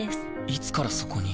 いつからそこに？